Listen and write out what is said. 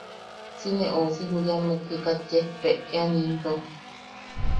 Si ne ousi juyammek jikat yejpeʼean into.